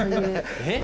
えっ？